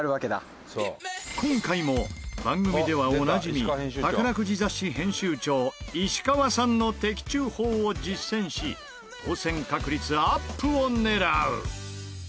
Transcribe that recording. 今回も番組ではおなじみ宝くじ雑誌編集長石川さんの的中法を実践し当せん確率アップを狙う！